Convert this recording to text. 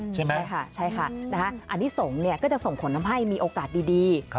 ใช่ไหมใช่ค่ะใช่ค่ะอันนี้สงฆ์ก็จะส่งผลทำให้มีโอกาสดี